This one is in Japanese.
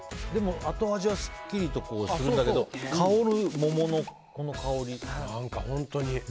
後味はすっきりするんだけど香る、桃の香り。